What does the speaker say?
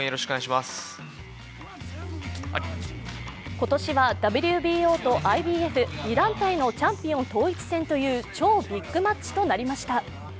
今年はＷＢＯとＩＢＦ、２団体のチャンピオン統一戦という超ビッグマッチとなりました。